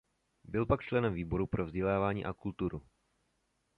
Byl pak členem výboru pro vzdělávání a kulturu.